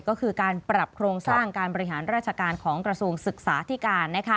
ก็คือการปรับโครงสร้างการบริหารราชการของกระทรวงศึกษาที่การ